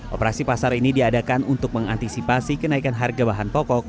operasi pasar ini diadakan untuk mengantisipasi kenaikan harga bahan pokok